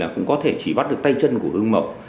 cũng có thể chỉ bắt được tay chân của hương mậu